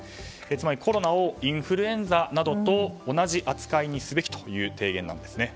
つまりコロナをインフルエンザなどと同じ扱いにすべきという提言なんですね。